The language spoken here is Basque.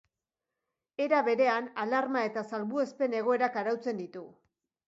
Era berean, alarma eta salbuespen egoerak arautzen ditu.